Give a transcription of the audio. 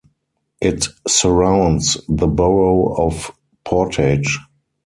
It surrounds the borough of Portage.